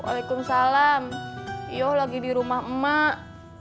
walaikumsalam iyo lagi di rumah emak